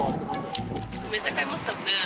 めっちゃ買いましたね。